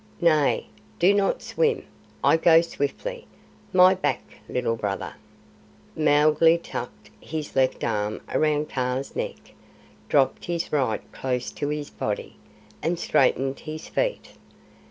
"Nay, do not swim. I go swiftly. My back, Little Brother." Mowgli tucked his left arm round Kaa's neck, dropped his right close to his body, and straightened his feet.